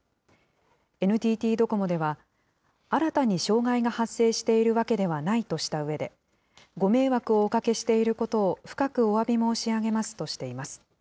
ＮＴＴドコモでは、新たに障害が発生しているわけではないとしたうえで、ご迷惑をおかけしていることを深くおわび申し上げますとしています。